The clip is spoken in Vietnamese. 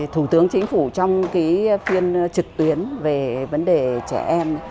thủ tướng chính phủ trong phiên trực tuyến về vấn đề trẻ em